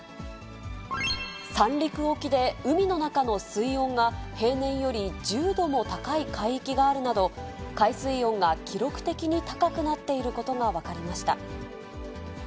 三陸沖で海の中の水温が平年より１０度も高い海域があるなど、海水温が記録的に高くなっていることが分かりました。